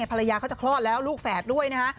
ภรรยาเขาจะคลอดแล้วลูกแฝดด้วยนะฮะ